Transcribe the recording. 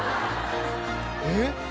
えっ？